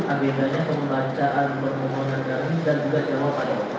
agendanya pembacaan pembohonan kami dan juga jawaban